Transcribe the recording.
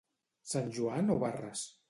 Sant Joan o barres?